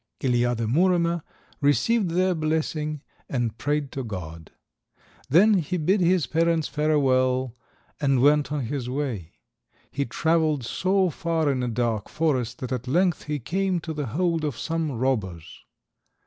Ilija, the Muromer, received their blessing, and prayed to God. Then he bid his parents farewell, and went on his way. He travelled so far in a dark forest that at length he came to the hold of some robbers.